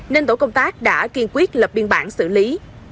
nên tổ công tác đã kiên quyết lập biên bản xử lý